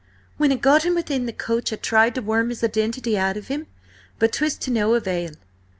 When I got him within the coach I tried to worm his identity out of him, but 'twas to no avail.